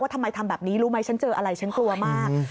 ทำไมทำแบบนี้รู้ไหมฉันเจออะไรฉันกลัวมาก